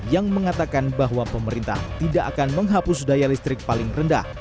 yang mengatakan bahwa pemerintah tidak akan menghapus daya listrik paling rendah